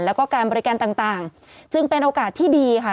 แล้วก็การบริการต่างจึงเป็นโอกาสที่ดีค่ะ